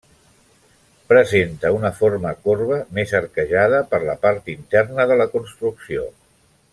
Presenta una forma corba, més arquejada per la part interna de la construcció.